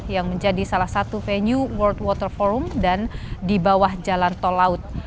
yang menjadi salah satu venue world water forum dan di bawah jalan tol laut